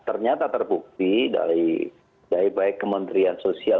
nah ternyata terbukti dari baik baik kementerian sosial